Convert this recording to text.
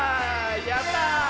やった！